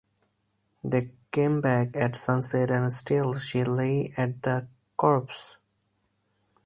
They came back at sunset and still she lay at the corpse.